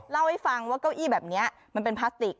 เล่าให้ฟังว่าเก้าอี้แบบนี้มันเป็นพลาสติก